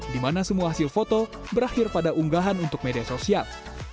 di mana semua hasil foto berakhir pada unggahan untuk media sosial